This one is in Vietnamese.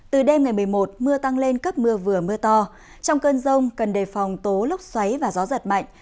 từ đêm ngày một mươi một mưa tăng lên cấp mưa vừa mưa to trong cơn rông cần đề phòng tố lốc xoáy và gió giật mạnh